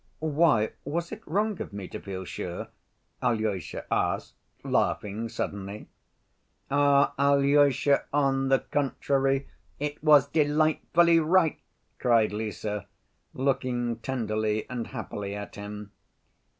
"Why, was it wrong of me to feel sure?" Alyosha asked, laughing suddenly. "Ah, Alyosha, on the contrary, it was delightfully right," cried Lise, looking tenderly and happily at him.